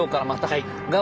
はい。